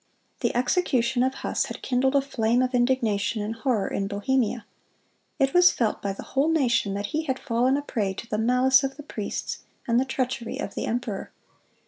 The execution of Huss had kindled a flame of indignation and horror in Bohemia. It was felt by the whole nation that he had fallen a prey to the malice of the priests and the treachery of the emperor.